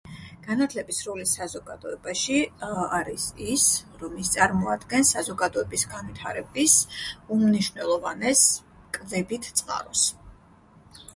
განათლების როლი საზოგადოებაში, ეე, არის ის, რომ ის წარმოადგენს საზოგადოების განვითარების უმნიშვნელოვანეს კვებით წყაროს.